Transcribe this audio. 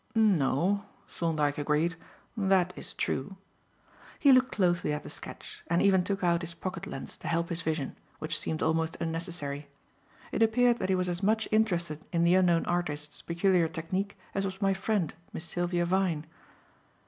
"No," Thorndyke agreed, "that is true." He looked closely at the sketch, and even took out his pocket lens to help his vision, which seemed almost unnecessary. It appeared that he was as much interested in the unknown artist's peculiar technique as was my friend, Miss Sylvia Vyne.